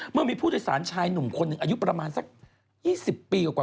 เมื่อมีผู้โดยสารชายหนุ่มคนหนึ่งอายุประมาณสัก๒๐ปีกว่า